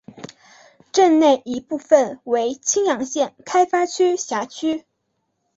镇内一部分为青阳县开发区辖区。